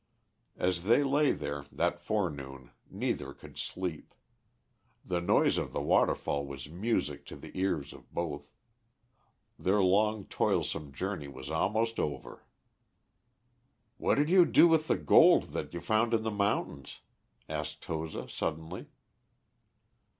As they lay there that forenoon neither could sleep. The noise of the waterfall was music to the ears of both; their long toilsome journey was almost over. [Illustration: HE THREW ASIDE BUSHES, BRAMBLES AND LOGS] "What did you do with the gold that you found in the mountains?" asked Toza suddenly.